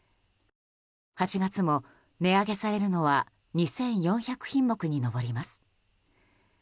８月も値上げされるのは２４００品目に上ります。